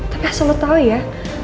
tapi asal lo tau ya